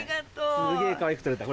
すげぇかわいく撮れた。